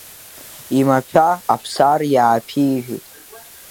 Имаҭәа Аԥсар иааԥижәеит.